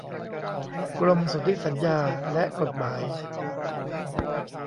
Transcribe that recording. กรมสนธิสัญญาและกฎหมาย